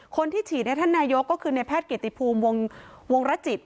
คนที่ฉีดให้ท่านนายกก็คือในแพทย์เกียรติภูมิวงรจิต